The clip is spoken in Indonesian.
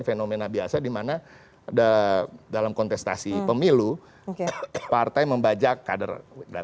fenomena biasa di mana dalam kontestasi pemilu partai membajak kader lain